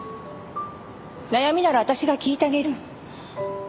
悩みなら私が聞いてあげる。